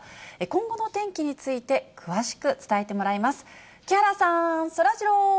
今後の天気について、詳しく伝えてもらいます。